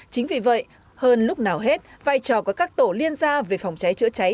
chính vì vậy hơn lúc nào hết vai trò của các tổ liên gia về phòng cháy chữa cháy